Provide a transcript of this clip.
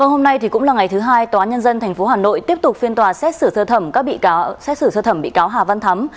hôm nay cũng là ngày thứ hai tòa nhân dân tp hà nội tiếp tục phiên tòa xét xử sơ thẩm bị cáo hà văn thắm